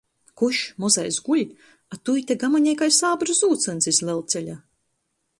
Kuš, mozais guļ, a tu ite gamanej kai sābru zūsyns iz lelceļa!